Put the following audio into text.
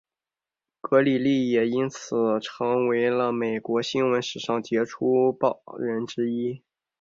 格里利也因此成为了美国新闻史上杰出报人之一。